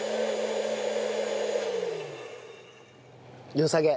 よさげ？